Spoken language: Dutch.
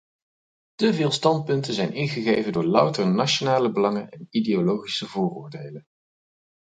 Te veel standpunten zijn ingegeven door louter nationale belangen en ideologische vooroordelen.